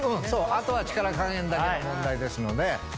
あとは力加減だけの問題です